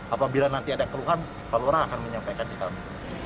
apabila nanti ada keluhan palurah akan menyampaikan di kami